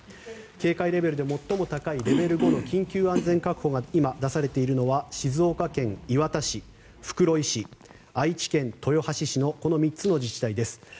警戒レベルで最も高いレベル５の緊急安全確保が今、出されているのは静岡県磐田市、袋井市愛知県豊橋市の３つの自治体です。